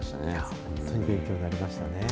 本当に勉強になりましたね。